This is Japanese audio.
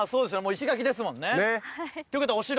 石垣ですもんね。という事はお城？